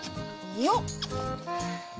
よっ！